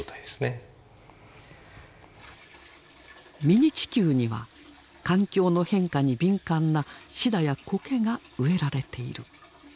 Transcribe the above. ミニ地球には環境の変化に敏感なシダやコケが植えられている。